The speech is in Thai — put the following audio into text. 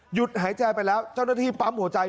หายใจไปแล้วเจ้าหน้าที่ปั๊มหัวใจ